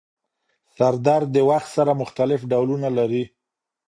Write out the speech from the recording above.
سردرد د وخت سره مختلف ډولونه لري.